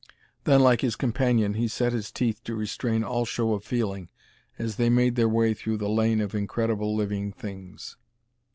Then, like his companion, he set his teeth to restrain all show of feeling as they made their way through the lane of incredible living things.